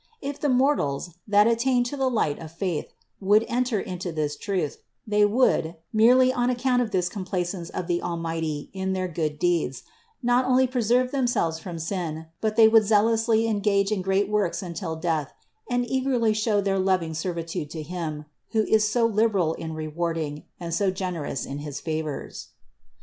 If the mortals, that attain to the light of faith, would enter into this truth, they would, merely on account of this complacence of the Almighty in their good deeds, not only preserve themselves from sin, but they would zealously engage in great works until death and eagerly show their loving servitude to Him, who is so liberal in rewarding, and so generous in his favors.